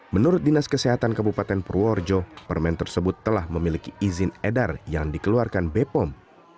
menurut dinas kesehatan kabupaten purworejo permen tersebut telah memiliki izin edar yang dikeluarkan bepom